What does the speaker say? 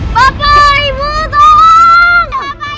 bapak ibu tolong